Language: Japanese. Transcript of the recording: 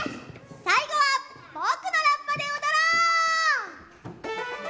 さいごはぼくのラッパでおどろう！